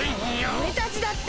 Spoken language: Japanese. おれたちだって！